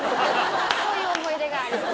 そういう思い出があります。